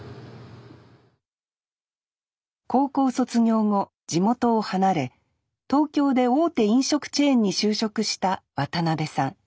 高校卒業後地元を離れ東京で大手飲食チェーンに就職した渡邉さん。